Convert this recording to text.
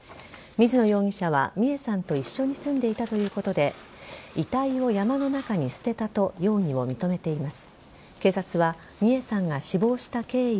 水野容疑者は美恵さんと一緒に住んでいたということで遺体を山の中に捨てたと容疑を認めています。